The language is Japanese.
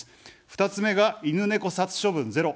２つ目が犬猫殺処分ゼロ。